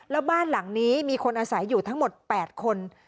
แล้วบ้านหลังนี้มีคนอาศัยอยู่ทั้งหมด๘คน